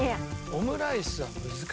オムライスは難しいから。